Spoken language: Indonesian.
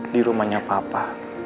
di rumahnya papa